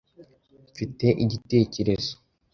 Mfite igitekerezo.